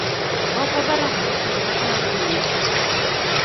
Kokwa bara rapishek che kialen neko